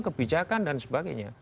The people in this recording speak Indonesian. kebijakan dan sebagainya